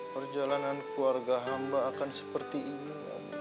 perjalanan keluarga hamba akan seperti ini